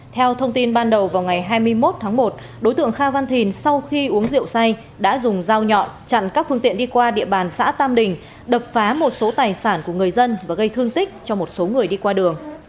theo thông tin ban đầu vào ngày hai mươi một tháng một đối tượng kha văn thìn sau khi uống rượu say đã dùng dao nhọn chặn các phương tiện đi qua địa bàn xã tam đình đập phá một số tài sản của người dân và gây thương tích cho một số người đi qua đường